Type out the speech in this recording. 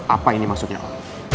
apa ini maksudnya om